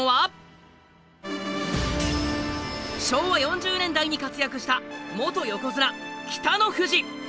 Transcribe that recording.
昭和４０年代に活躍した元横綱北の富士。